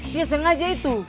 dia sengaja itu